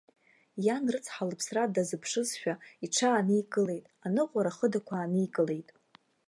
Иан рыцҳа лыԥсра дазыԥшызшәа, иҽааникылеит, аныҟәара хыдақәа ааникылеит.